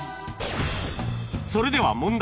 それでは問題